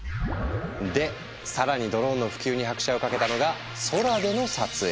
で更にドローンの普及に拍車をかけたのが空での撮影。